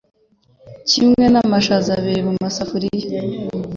Kimwe namashaza abiri mumasafuriya